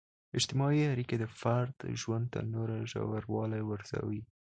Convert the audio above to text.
اجتماعي اړیکي د فرد ژوند ته نوره ژوروالی ورزوي.